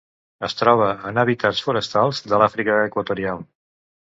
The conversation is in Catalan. Es troba en hàbitats forestals de l'Àfrica equatorial.